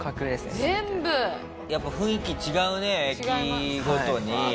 やっぱ雰囲気違うね駅ごとに。